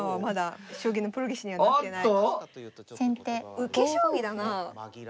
受け将棋だな。